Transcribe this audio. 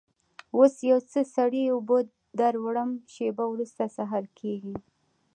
اوس یو څه سړې اوبه در وړم، شېبه وروسته سهار کېږي.